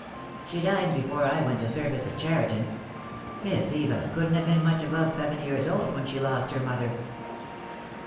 "She died before I went to service at Cheriton. Miss Eva couldn't have been much above seven years old when she lost her mother."